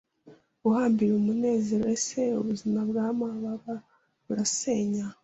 Uhambiriye umunezero Ese ubuzima bwamababa burasenya